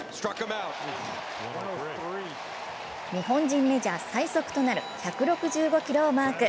日本人メジャー最速となる１６５キロをマーク。